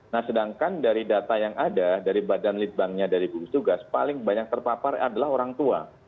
nah sedangkan dari data yang ada dari badan lead banknya dari jugis jugas paling banyak terpapar adalah orang tua